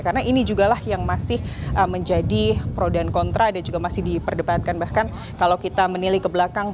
karena ini juga lah yang masih menjadi pro dan kontra ada juga masih diperdebatkan bahkan kalau kita menili kebelakang